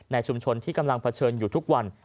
ชุมชนที่กำลังเผชิญอยู่ทุกวัน